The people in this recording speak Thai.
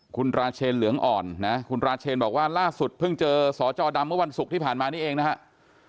คุณราเชนเหลืองอ่อนนะคุณราเชนบอกว่าล่าสุดเพิ่งเจอสจดำเมื่อวันศุกร์ที่ผ่านมานี้เองนะครับ